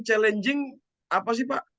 challenging apa sih pak